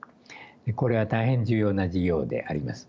これは大変重要な事業であります。